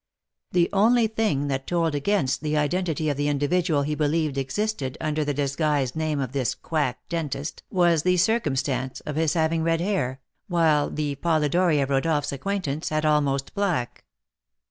The only thing that told against the identity of the individual he believed existed under the disguised name of this quack dentist was the circumstance of his having red hair, while the Polidori of Rodolph's acquaintance had almost black.